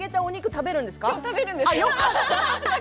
食べるんです。